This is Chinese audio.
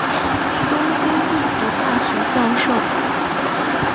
东京帝国大学教授。